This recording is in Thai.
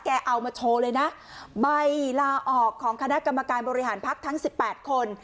เอามาโชว์เลยนะใบลาออกของคณะกรรมการบริหารพักทั้ง๑๘คน